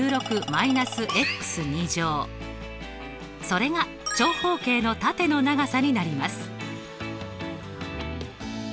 それが長方形のタテの長さになります。